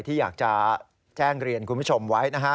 ที่อยากจะแจ้งเรียนคุณผู้ชมไว้นะฮะ